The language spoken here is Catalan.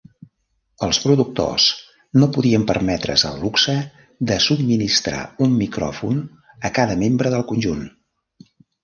Els productors no podien permetre's el luxe de subministrar un micròfon a cada membre del conjunt.